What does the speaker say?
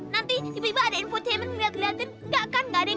nanti tiba tiba ada infotainment ngeliat ngeliatin